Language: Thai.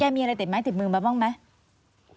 แกมีอะไรเต็บมือมาบ้างไหม